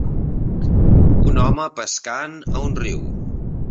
Un home pescant a un riu